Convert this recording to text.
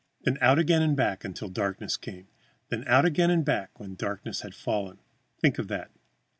Then out again and back again until darkness came. Then out again and back again when darkness had fallen. Think of that!